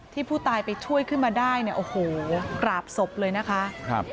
ที่ผู้ตายไปช่วยขึ้นมาได้เนี่ยโอ้โหกราบศพเลยนะคะครับ